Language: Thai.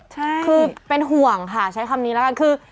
ใช่คือเป็นห่วงค่ะใช้คำนี้แล้วกันคือ